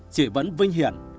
chỉ vẫn vinh hiển